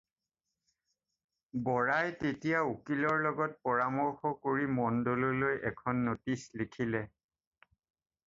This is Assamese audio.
বৰাই তেতিয়া উকীলৰ লগত পৰামৰ্শ কৰি মণ্ডললৈ এখন ন'টিচ লিখিলে।